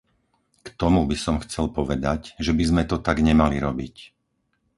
K tomu by som chcel povedať, že by sme to tak nemali robiť.